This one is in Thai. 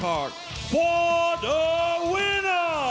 เพื่อรักเก้าที่เป็น